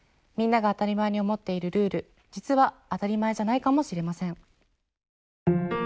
みんなが当たり前に思っているルール実は当たり前じゃないかもしれません。